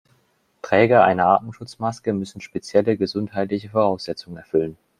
Träger einer Atemschutzmaske müssen spezielle gesundheitliche Voraussetzungen erfüllen.